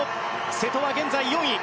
瀬戸は現在４位。